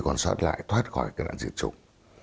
còn soát lại thoát khỏi cái nạn diệt chủng